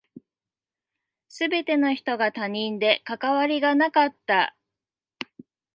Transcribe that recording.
全ての人が他人で関わりがなかった。